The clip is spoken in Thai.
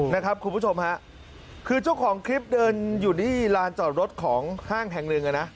นะครับคุณผู้ชมฮะคือเจ้าของคลิปเดินอยู่ที่ลานจอดรถของห้างแห่งหนึ่งอ่ะนะ